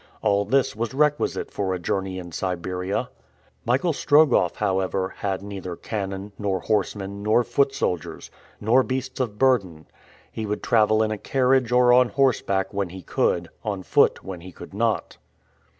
All this was requisite for a journey in Siberia. Michael Strogoff, however, had neither cannon, nor horsemen, nor foot soldiers, nor beasts of burden. He would travel in a carriage or on horseback, when he could; on foot, when he could not.